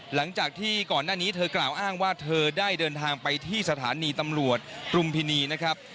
หลังจากที่ก่อนหน้านี้เธอกล่าวอ้างว่าเธอได้เดินทางไปที่สถานีตำรวจรุมพินีนะครับ